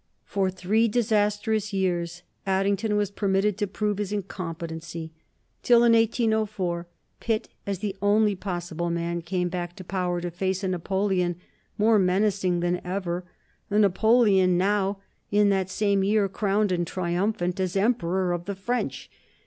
For three disastrous years Addington was permitted to prove his incompetency, till in 1804 Pitt, as the only possible man, came back to power to face a Napoleon more menacing than ever, a Napoleon now, in that same year, crowned and triumphant as Emperor of the French.